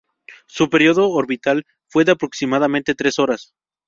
Su período orbital fue de aproximadamente tres horas.